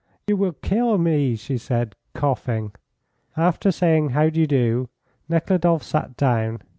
"You will kill me," she said, coughing. After saying "How d'you do?" Nekhludoff sat down.